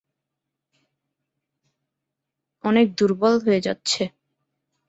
অনেক দুর্বল হয়ে যাচ্ছে।